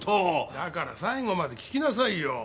だから最後まで聞きなさいよ。